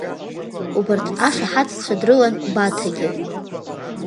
Убарҭ ашаҳаҭцәа дрылан Баҭагьы.